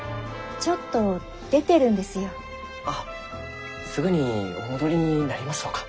あっすぐにお戻りになりますろうか？